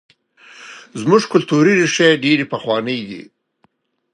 زموږ کلتوري ریښې ډېرې پخوانۍ دي.